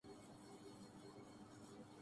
اوہہا Nebraska Bakersfield California